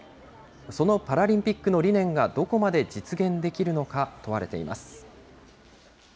そのパラリンピックの理念がどこまで実現できるのかが問われています。